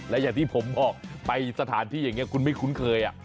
และอย่างที่ผมออกไปสถานที่อย่างนี้คุณไม่คุ้นเคย